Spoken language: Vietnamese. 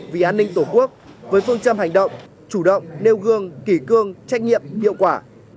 vì an ninh tổ quốc với phương châm hành động chủ động nêu gương kỷ cương trách nhiệm hiệu quả